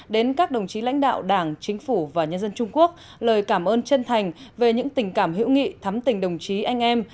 đến các đồng chí lãnh đạo đảng chính phủ và nhân dân trung quốc lời cảm ơn chân thành về những tình cảm hữu nghị thắm tình đồng chí anh em